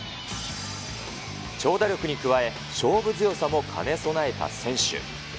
長打力に加え、勝負強さも兼ね備えた選手。